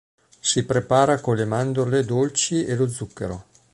Si prepara con le mandorle dolci e lo zucchero.